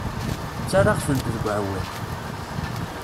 Ttarraɣ-tent deg uɛewwiq.